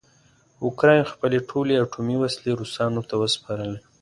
اوکراین خپلې ټولې اټومي وسلې روسانو ته وسپارلې.